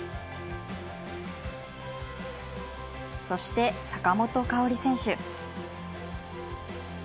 そして、坂本花織選手。